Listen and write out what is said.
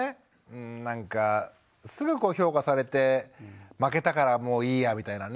なんかすぐ評価されて負けたからもういいやみたいなね。